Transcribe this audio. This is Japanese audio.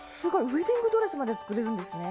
ウエディングドレスまで作れるんですね！